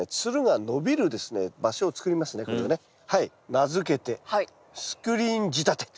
名付けてスクリーン仕立て。